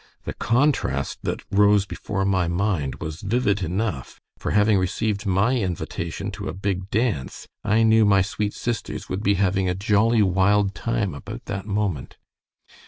The contrast that rose before my mind was vivid enough, for having received my invitation to a big dance, I knew my sweet sisters would be having a jolly wild time about that moment.